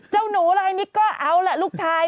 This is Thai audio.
เจ้าหนูลายนี้ก็เอาล่ะลูกชาย